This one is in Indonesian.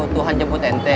tuhan jemput ente